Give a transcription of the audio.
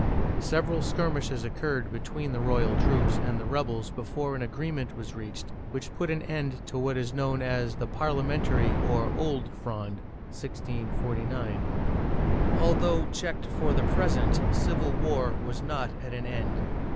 Several skirmishes occurred be tween the royal troops and the rebels before an agree ment was reached which put an end to what is known as the Parliamentary or Old Fronde (1649). Although checked for the present, civil war was not at an end.